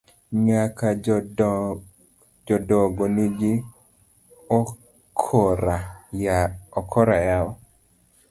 Nyaka jodogo nigi okora yawa.